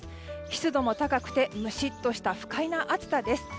湿度も高くてムシッとした不快な暑さです。